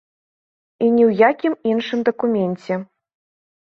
І ні ў якім іншым дакуменце.